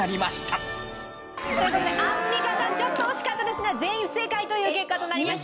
という事でアンミカさんちょっと惜しかったですが全員不正解という結果となりました。